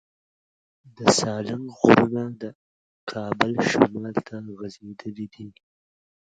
د سالنګ غرونه د کابل شمال ته غځېدلي دي.